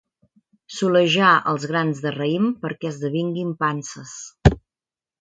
Solejar els grans de raïm perquè esdevinguin panses.